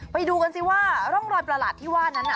ไปดูกันสิว่าร่องรอยประหลาดที่ว่านั้น